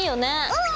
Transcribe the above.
うん。